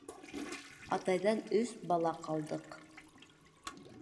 — Атайҙан өс бала ҡалдыҡ.